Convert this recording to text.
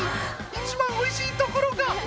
一番おいしいところが！